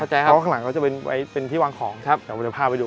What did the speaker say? เพราะว่าข้างหลังก็จะเป็นที่วางของแต่เดี๋ยวพาไปดู